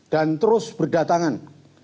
dan terus berdatangan